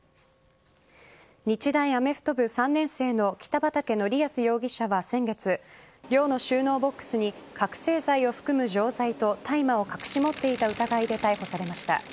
日大アメフト部３年生の北畠成文容疑者は先月寮の収納ボックスに覚醒剤を含む錠剤と大麻を隠し持っていた疑いで逮捕されました。